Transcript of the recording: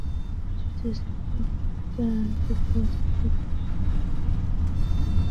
যদিও জানতাম এটা ভুল ছিল, তবুও দেখতে চেয়েছিলাম এটা কতদূর গড়ায়।